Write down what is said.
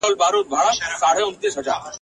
تر سالو لاندي ګامونه !.